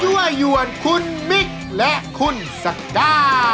ด้วยหยวนคุณมิ๊กและคุณสัตว์ด้าน